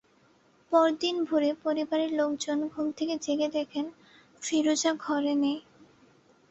পরদিন ভোরে পরিবারের লোকজন ঘুম থেকে জেগে দেখেন, ফিরোজা ঘরে নেই।